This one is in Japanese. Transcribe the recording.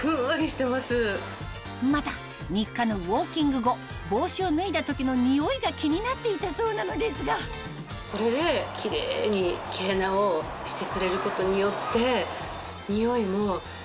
また日課のウオーキング後帽子を脱いだ時のニオイが気になっていたそうなのですがこれでキレイに毛穴をしてくれることによって。